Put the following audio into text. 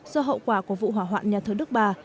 do hậu quả của vụ hỏa hoạn nhà thờ đức bà